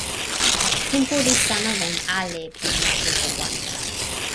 tenpo li sama lon ale pi ma tenpo wan.